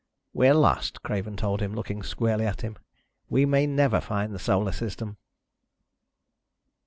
"We're lost," Craven told him, looking squarely at him. "We may never find the Solar System!"